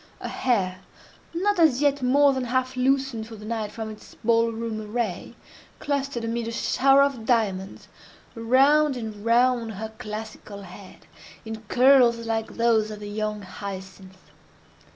Her hair, not as yet more than half loosened for the night from its ball room array, clustered, amid a shower of diamonds, round and round her classical head, in curls like those of the young hyacinth.